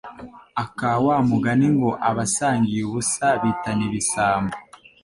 aka wa mugani ngo abasangiye ubusa bitana ibisambo